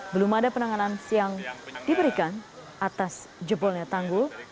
belum ada penanganan siang diberikan atas jebolnya tanggul